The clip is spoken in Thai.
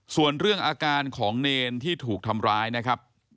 ส่วนเรื่องอาการของเนรที่ถูกทำร้ายนะครับ